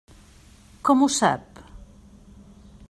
Com ho sap?